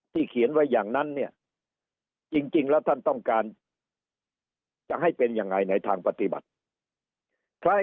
เขียนไว้อย่างนั้นเนี่ยจริงแล้วท่านต้องการจะให้เป็นยังไงในทางปฏิบัติใคร